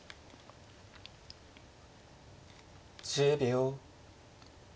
１０秒。